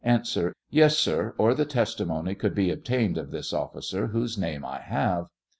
Yes, sir ; or the testimony could be obtained of this officer, whose name I have.